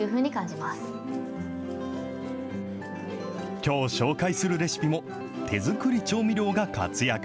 きょう紹介するレシピも、手作り調味料が活躍。